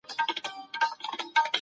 دیني مدرسو ته یې سکولاستیک ویل.